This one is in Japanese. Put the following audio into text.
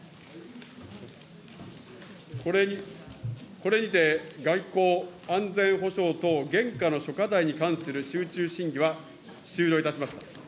これにて外交・安全保障等現下の諸課題に関する集中審議は終了いたしました。